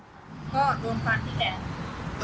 เพราะโดนฟันที่แดด